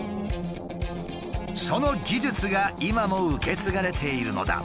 その技術が今も受け継がれているのだ。